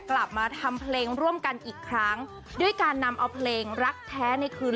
กลับมาทำเพลงร่วมกันอีกครั้งด้วยการนำเอาเพลงรักแท้ในคืน